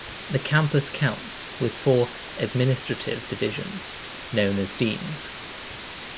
The Campus counts with four administrative divisions known as 'Deans'.